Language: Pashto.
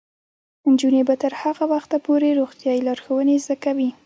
نجونې به تر هغه وخته پورې روغتیايي لارښوونې زده کوي.